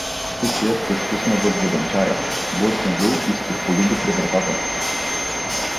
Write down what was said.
Куцият се спусна въз воденчаря, блъсна го и строполи го при вратата.